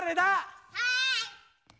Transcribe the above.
はい！